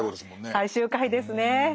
最終回ですね。